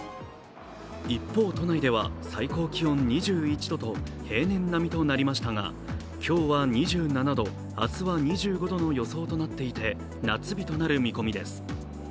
一方、都内では最高気温２１度と平年並みとなりましたが、今日は２７度、明日は２５度の予想となっていて、夏日となる見込みです。